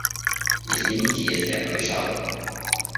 Извините, если я помешал.